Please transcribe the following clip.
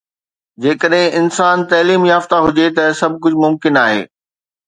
جيڪڏهن انسان تعليم يافته هجي ته سڀ ڪجهه ممڪن آهي